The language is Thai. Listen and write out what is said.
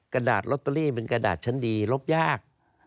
กระดาษลอตเตอรี่เป็นกระดาษชั้นดีลบยาก